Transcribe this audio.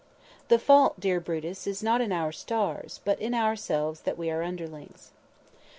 _"The fault, dear Brutus, is not in our Stars, But in ourselves that we are underlings."